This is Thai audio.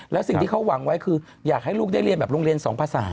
แล้วสิ่งที่เขาหวังไว้คืออยากให้ลูกได้เรียนแบบโรงเรียน๒ภาษา